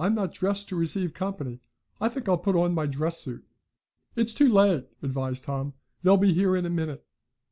I'm not dressed to receive company. I think I'll put on my dress suit." "It's too late," advised Tom. "They'll be here in a minute."